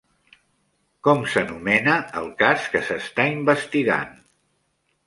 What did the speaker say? Com s'anomena el cas que s'està investigant?